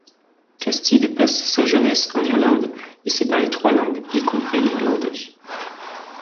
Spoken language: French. Castide passe sa jeunesse en Irlande et sait parler trois langues, y compris l’irlandais.